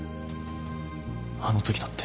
あのときだって。